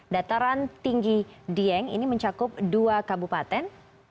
dataran tinggi dieng ini mencakup dua kabupaten